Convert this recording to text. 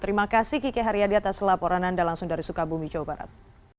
terima kasih kiki haryadi atas laporan anda langsung dari sukabumi jawa barat